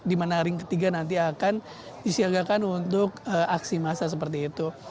di mana ring ketiga nanti akan disiagakan untuk aksi massa seperti itu